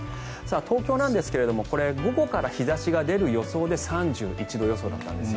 東京なんですが午後から日差しが出る予想で３１度予想だったんです。